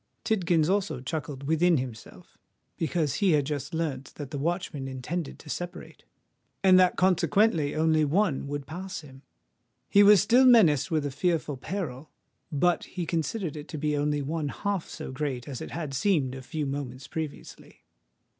Tidkins also chuckled within himself; because he had just learnt that the watchmen intended to separate, and that consequently only one would pass him. He was still menaced with a fearful peril; but he considered it to be only one half so great as it had seemed a few moments previously.